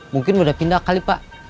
mungkin sudah pindah kali pak